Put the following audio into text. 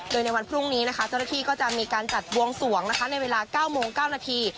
โดยในวันพรุ่งนี้นะคะเจ้าหน้าที่ก็จะมีการจัดบวงสวงนะคะในเวลา๙โมง๙นาที